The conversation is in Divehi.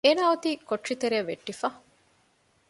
އޭނާ އޮތީ ކޮޓަރި ތެރެއަށް ވެއްޓިފަ